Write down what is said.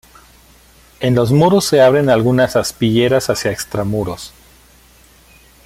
En los muros se abren algunas aspilleras hacia extramuros.